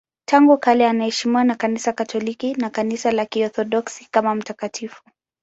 Tangu kale anaheshimiwa na Kanisa Katoliki na Kanisa la Kiorthodoksi kama mtakatifu.